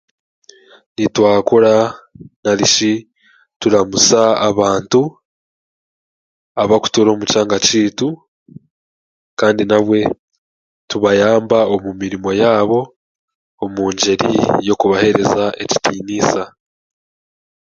Nitwakura n'arishi turamusya abantu abakutuura omu kyanga kyeitu kandi nabwe tubayamba omu mirimo yaabo omungyeri y'okubahereza ekitiniisa.